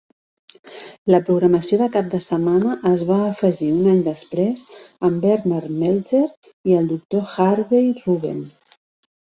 La programació de cap de setmana es va afegir un any després amb Bernard Meltzer i el doctor Harvey Ruben.